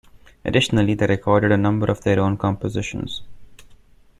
Additionally, they recorded a number of their own compositions.